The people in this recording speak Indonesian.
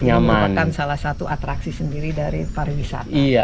yang merupakan salah satu atraksi sendiri dari pariwisata